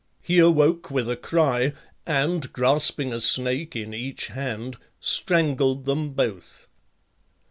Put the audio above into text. He awoke with a cry, and grasping a snake in each hand, strangled them both.